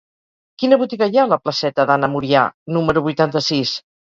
Quina botiga hi ha a la placeta d'Anna Murià número vuitanta-sis?